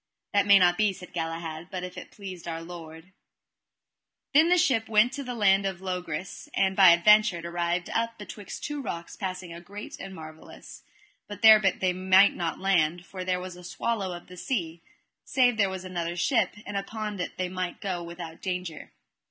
That may not be, said Galahad, but if it pleased Our Lord. By then the ship went from the land of Logris, and by adventure it arrived up betwixt two rocks passing great and marvellous; but there they might not land, for there was a swallow of the sea, save there was another ship, and upon it they might go without danger.